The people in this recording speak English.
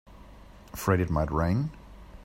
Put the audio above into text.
Afraid it might rain?